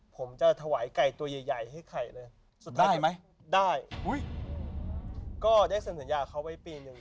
ผมจะถวายไก่ตัวใหญ่ใหญ่ให้ไข่เลยได้ไหมได้อุ้ยก็ได้เสริมสัญญากับเขาไว้ปีนอยู่